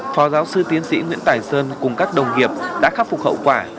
phó giáo sư tiến sĩ nguyễn tài sơn cùng các đồng nghiệp đã khắc phục hậu quả